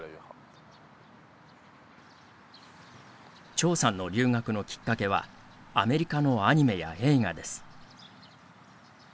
張さんの留学のきっかけはアメリカのアニメや映画です。